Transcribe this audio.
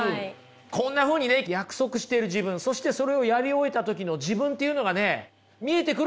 こんなふうにね約束してる自分そしてそれをやり終えた時の自分っていうのがね見えてくるんですよ。